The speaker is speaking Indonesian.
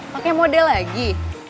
pakai model lagi